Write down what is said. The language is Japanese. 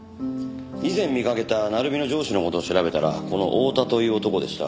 以前見かけた鳴海の上司の事を調べたらこの太田という男でした。